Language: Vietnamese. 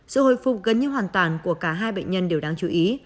sự hồi phục gần như hoàn toàn của cả hai bệnh nhân đều đáng chú ý